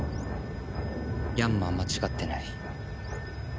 ヤンマは間違ってない。